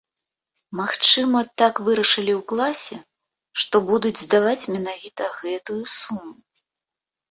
Магчыма, так вырашылі ў класе, што будуць здаваць менавіта гэтую суму.